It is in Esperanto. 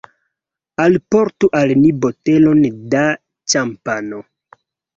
Alportu al ni botelon da ĉampano.